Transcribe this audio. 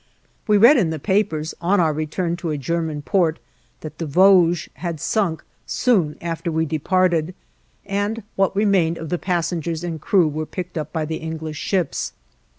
We read in the papers, on our return to a German port, that the "Vosges" had sunk soon after we had departed, and what remained of the passengers and crew were picked up by the English ships.